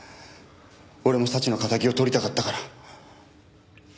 俺も早智の敵を取りたかったから。